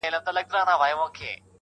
او د تحقيق په جريان کي